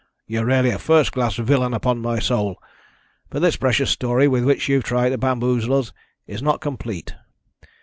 "You're really a first class villain, upon my soul! But this precious story with which you've tried to bamboozle us is not complete.